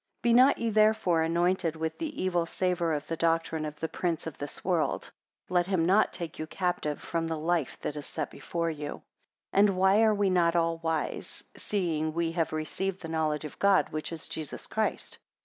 5 Be not ye therefore anointed with the evil savour of the doctrine of the prince of this world: let him not take you captive from the life that is set before you. 6 And why are we not all wise, seeing we have received the knowledge of God, which is Jesus Christ?